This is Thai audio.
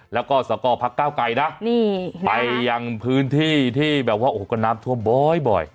แล้วก็สกพักเก้าไกลนะไปยังพื้นที่ที่แบบว่าโอ้โหก็น้ำท่วมบ่อย